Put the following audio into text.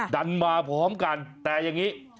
ดันมาพร้อมกันแต่อย่างนี้